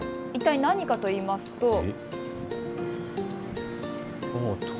一体何かといいますと。